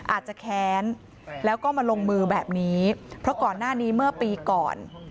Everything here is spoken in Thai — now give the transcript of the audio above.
อาจจะแค้นแล้วก็มาลงมือแบบนี้เพราะก่อนหน้านี้เมื่อปีก่อน